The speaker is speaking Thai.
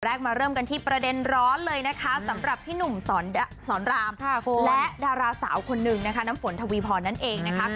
มาเริ่มกันที่ประเด็นร้อนเลยนะคะสำหรับพี่หนุ่มสอนรามและดาราสาวคนนึงนะคะน้ำฝนทวีพรนั่นเองนะคะ